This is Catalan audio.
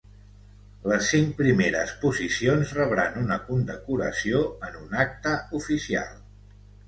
Les cinc primeres posicions rebran una condecoració en un acte oficial.